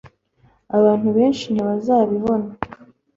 Abantu benshi ntibazabibona